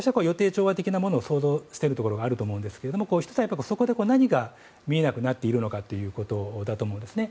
調和的なものを想像しているところがあると思うんですけど１つは、そこで何が見えなくなっているのかということだと思うんですね。